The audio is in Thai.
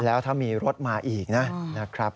แล้วถ้ามีรถมาอีกนะครับ